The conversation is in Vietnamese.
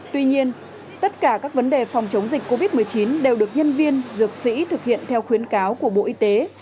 tuy nhiên tất cả các vấn đề phòng chống dịch covid một mươi chín đều được nhân viên dược sĩ thực hiện theo khuyến cáo của bộ y tế